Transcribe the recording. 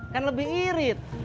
kan lebih irit